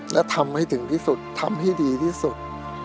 และทำให้ถึงที่สุดทำให้ดีที่สุด